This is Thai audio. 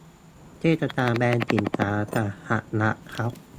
เทศกาลแบนสินค้าสหรัฐครับ